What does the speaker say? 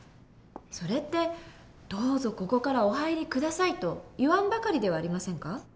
それって「どうぞここからお入り下さい」と言わんばかりではありませんか？